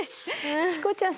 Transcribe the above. チコちゃん